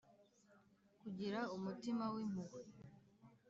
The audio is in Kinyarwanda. kugira umutima w impuhwe .